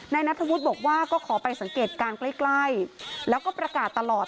นัทธวุฒิบอกว่าก็ขอไปสังเกตการณ์ใกล้ใกล้แล้วก็ประกาศตลอด